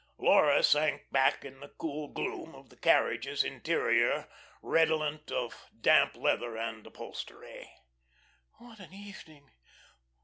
Laura sank back in the cool gloom of the carriage's interior redolent of damp leather and upholstery. "What an evening!